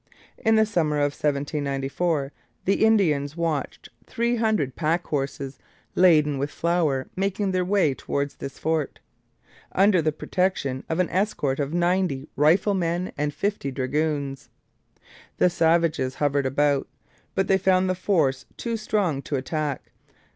In the summer of 1794 the Indians watched three hundred pack horses laden with flour making their way towards this fort, under the protection of an escort of ninety riflemen and fifty dragoons. The savages hovered about, but they found the force too strong to attack.